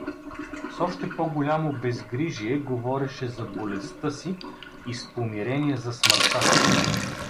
С още по-голямо безгрижие говореше за болестта си и с помирение за смъртта.